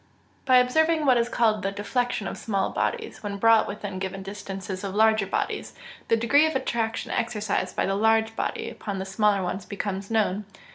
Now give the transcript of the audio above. _ By observing what is called the deflection of small bodies when brought within given distances of larger bodies, the degree of attraction exercised by the large body upon the smaller one becomes known.